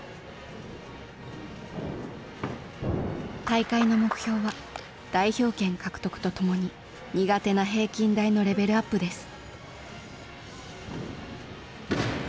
大会の目標は代表権獲得とともに苦手な平均台のレベルアップです。